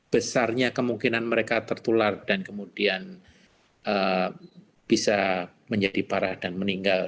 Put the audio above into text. besarnya kemungkinan mereka tertular dan kemudian bisa menjadi parah dan meninggal